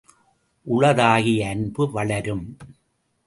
உளதாகிய அன்பு வளரும்.